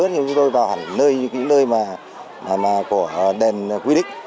nhưng chúng tôi vào hẳn nơi những nơi mà của đền quy định